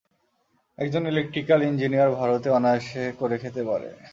একজন electrical engineer ভারতে অনায়াসে করে খেতে পারে।